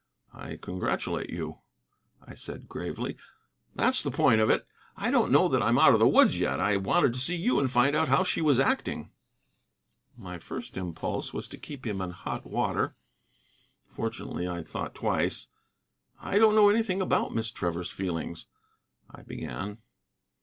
"I congratulate you," I said gravely. "That's the point of it. I don't know that I'm out of the woods yet. I wanted to see you and find out how she was acting." My first impulse was to keep him in hot water. Fortunately I thought twice. "I don't know anything about Miss Trevor's feelings " I began.